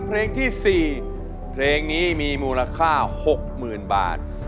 เพลงที่๔เพลงนี้มีมูลค่า๖๐๐๐บาท